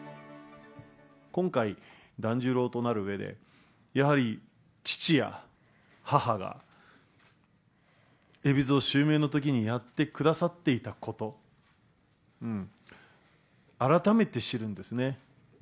今回、團十郎となるうえで、やはり父や母が海老蔵襲名のときにやってくださっていたこと、改めて知るんですね。